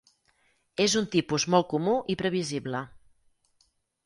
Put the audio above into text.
És un tipus molt comú i previsible.